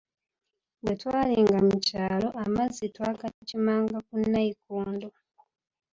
Bwetwalinga mu kyalo, amazzi twagakimanga ku nnayikondo.